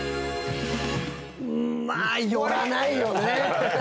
まあ寄らないよね。